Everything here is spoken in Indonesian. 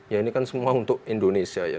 ya ini kan semua untuk indonesia ya